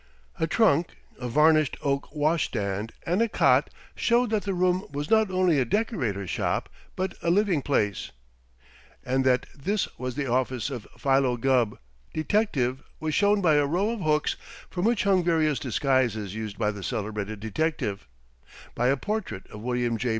A trunk, a varnished oak washstand and a cot showed that the room was not only a decorator's shop, but a living place; and that this was the office of Philo Gubb, detective, was shown by a row of hooks from which hung various disguises used by the celebrated detective, by a portrait of William J.